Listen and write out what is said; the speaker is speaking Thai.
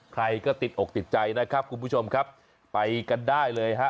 ใครก็ติดอกติดใจนะครับคุณผู้ชมครับไปกันได้เลยฮะ